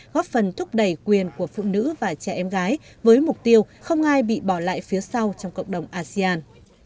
góp phần thúc đẩy quyền của phụ nữ và trẻ em gái với mục tiêu không ai bị bỏ lại phía sau trong cộng đồng asean